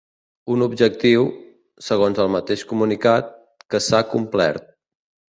Un objectiu, segons el mateix comunicat, que s’ha complert.